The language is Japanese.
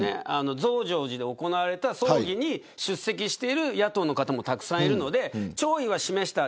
増上寺で行われた葬儀に出席している野党の方もたくさんいるので弔意は示した。